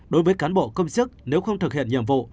đối với cán bộ công chức nếu không thực hiện nhiệm vụ